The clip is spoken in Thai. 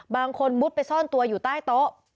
บางคนมุดไปซ่อนตัวอยู่ใต้โต๊ะ